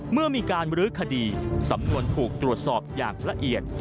เมื่อมีการบรื้อคดีสำนวนถูกตรวจสอบอย่างละเอียด